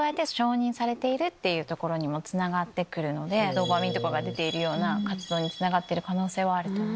ドーパミンとかが出ているような活動につながってる可能性はある。